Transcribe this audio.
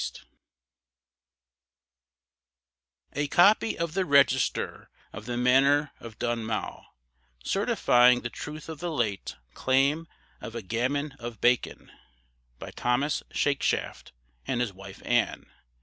A COPY OF THE REGISTER OF THE MANOR OF DUNMOW, Certifying the truth of the late CLAIM OF A GAMMON OF BACON By Thomas Shakeshaft, and his Wife Ann.